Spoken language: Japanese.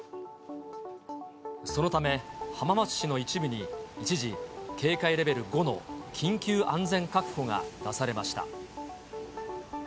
そのため浜松市の一部に、一時、警戒レベル５の緊急安全確保が出されました。